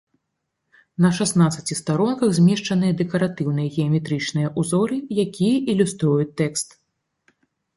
На шаснаццаці старонках змешчаныя дэкаратыўныя геаметрычныя ўзоры, якія ілюструюць тэкст.